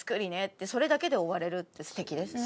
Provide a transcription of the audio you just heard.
それだけで終われるってすてきですね。